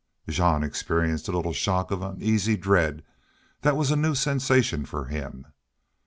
Jean experienced a little shock of uneasy dread that was a new sensation for him.